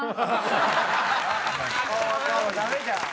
もうダメじゃん。